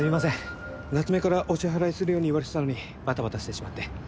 夏目からお支払いするように言われてたのにバタバタしてしまって。